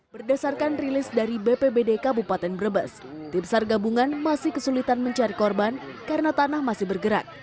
berdasarkan rilis dari bpbd kabupaten brebes tim sar gabungan masih kesulitan mencari korban karena tanah masih bergerak